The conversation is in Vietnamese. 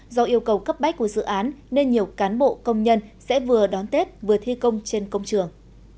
do yêu cầu cấp bách của dự án nên nhiều cán bộ công nhân sẽ vừa đón tết vừa thi công trên công trường